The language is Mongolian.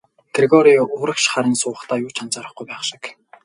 Грегори урагш харан суухдаа юу ч анзаарахгүй байх шиг.